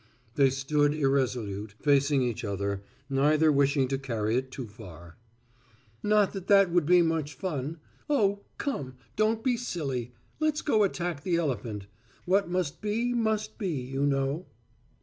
They stood irresolute, facing each other, neither wishing to carry it too far. "Not that that would be much fun Oh, come, don't be silly let's go attack the elephant. What must be, must be, you know."